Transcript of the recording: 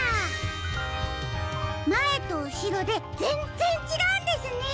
まえとうしろでぜんぜんちがうんですね！